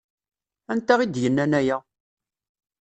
Anta i d-yennan aya?